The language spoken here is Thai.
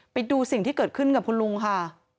ไปดูสิ่งที่เกิดขึ้นกับคุณลุงค่ะ